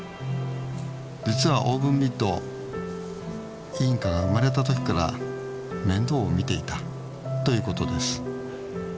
実はオーブンミットインカが生まれた時から面倒を見ていたということです。